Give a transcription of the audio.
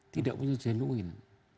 tidak punya genuine